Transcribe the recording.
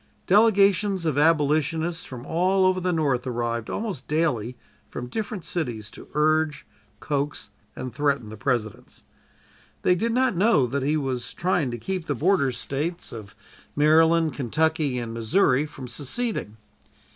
Delegations of Abolitionists from all over the North arrived almost daily from different cities to urge, coax and threaten the President. They did not know that he was trying to keep the Border States of Maryland, Kentucky and Missouri from seceding.